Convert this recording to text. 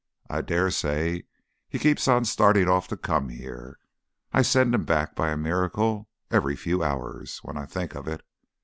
I daresay he keeps on starting off to come here. I send him back, by a miracle, every few hours, when I think of it.